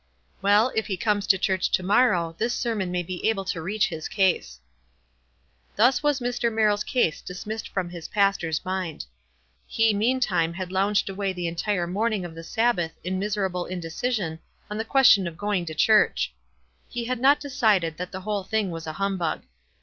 Well, if he comes to church to morrow this sermon may be able to reach his case." Thus was Mr. Merrill's case dismissed from his pastor's mind. He meantime had lounged away the entire morning of the Sabbath in mis erable indecision on the question of going to church. He had not decided that the whole thing was a humbug.